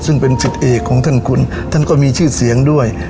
ซึ่งเป็นสิทธิเอกของท่านคุณท่านก็มีชื่อเสียงด้วย